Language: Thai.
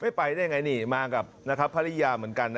ไปได้ยังไงนี่มากับภรรยาเหมือนกันนะ